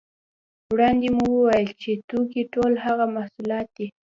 وړاندې مو وویل چې توکي ټول هغه محصولات دي